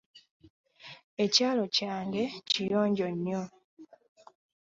Ekyalo kyange kiyonjo nnyo.